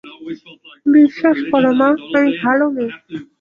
বিশ্বাস কর মা, আমি ভাল মেয়ে।